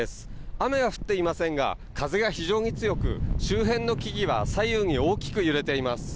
雨は降っていませんが風が非常に強く周辺の木々は左右に大きく揺れています。